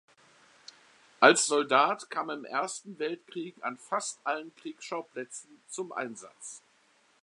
Als Soldat kam er im Ersten Weltkrieg an fast allen Kriegsschauplätzen zum Einsatz.